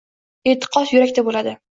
E’tiqod — yurakda bo‘ladi.